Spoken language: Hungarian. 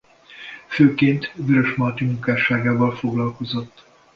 Főként Vörösmarty munkásságával foglalkozott.